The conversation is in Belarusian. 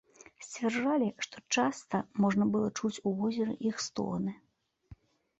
Сцвярджалі, што часта можна было чуць у возеры іх стогны.